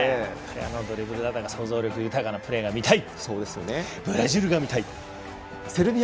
ドリブルだとか想像力豊かなプレーが見たい！